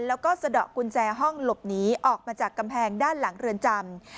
แล้วก็สะดอกกุญแจห้องหลบหนีออกมาจากกำแพงด้านหลังเรือนจำ